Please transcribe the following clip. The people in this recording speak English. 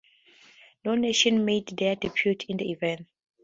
No nations made their debut in the event.